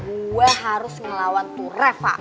gue harus ngelawan tuh reva